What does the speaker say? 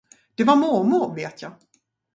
Det var mormor, vet jag.